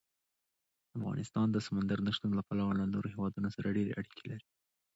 افغانستان د سمندر نه شتون له پلوه له نورو هېوادونو سره ډېرې اړیکې لري.